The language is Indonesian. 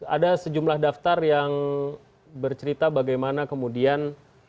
ada sejumlah daftar yang bercerita bagaimana kemudian